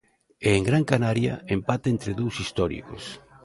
E en Gran Canaria, empate entre dous históricos.